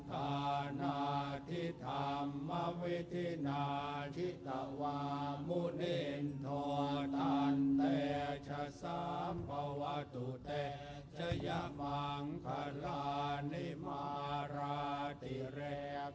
ทานาทิธัมมวิทินาทิตะวามุนินโทตันเตชสัมปวตุเตชยะมังคลานิมาราติเรก